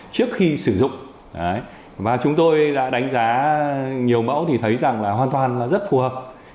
trước khi sử dụng và chúng tôi đã đánh giá nhiều mẫu thì thấy rằng là hoàn toàn là rất phù hợp